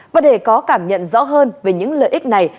và để có cảm nhận rõ hơn về những lợi ích này